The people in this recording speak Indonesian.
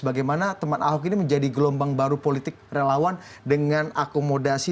bagaimana teman ahok ini menjadi gelombang baru politik relawan dengan akomodasi